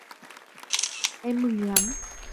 Em mừng lắm